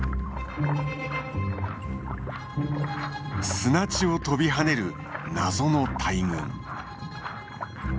砂地を跳びはねる謎の大群。